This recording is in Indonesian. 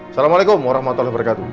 assalamualaikum warahmatullahi wabarakatuh